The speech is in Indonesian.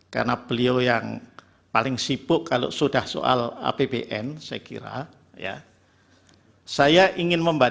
karena beliau yang paling sibuk kalau sudah soal apbn saya kira